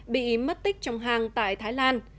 bị mất tích trong hàng tại thái lan